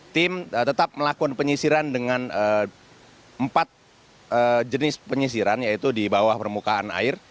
tim tetap melakukan penyisiran dengan empat jenis penyisiran yaitu di bawah permukaan air